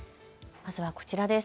まずはこちらです。